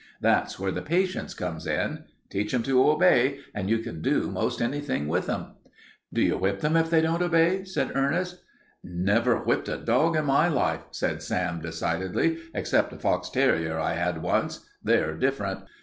That's where the patience comes in. Teach 'em to obey, and you can do most anything with 'em." "Do you whip them if they don't obey?" asked Ernest. "Never whipped a dog in my life," said Sam, decidedly, "except a fox terrier I had once. They're different.